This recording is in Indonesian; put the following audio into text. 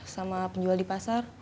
sama penjual di pasar